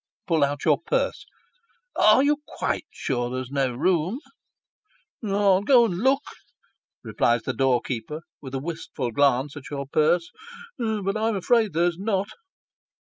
Pull out your purse " Are you quite sure there's no room ?"" I'll go and look," replies the doorkeeper, with a wistful glance at your purse, " but I'm afraid there's not."